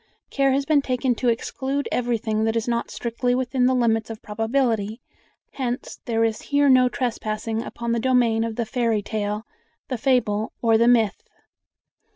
Care has been taken to exclude everything that is not strictly within the limits of probability; hence there is here no trespassing upon the domain of the fairy tale, the fable, or the myth.